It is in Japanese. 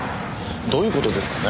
どういう事ですかね？